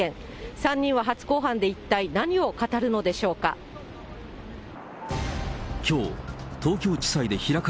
３人は初公判で一体何を語るのでしょうか。